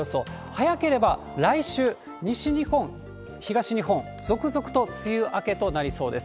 早ければ来週、西日本、東日本、続々と梅雨明けとなりそうです。